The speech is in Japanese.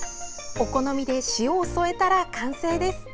お好みで塩を添えたら完成です！